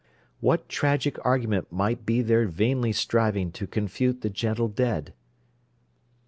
What tragic argument might be there vainly striving to confute the gentle dead?